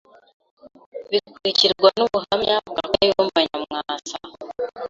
bikurikirwa n’ubuhamya bwa Kayumba Nyamwasa